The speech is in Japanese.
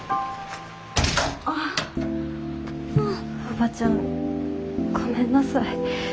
おばちゃんごめんなさい